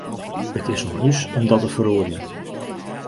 It is oan ús om dat te feroarjen.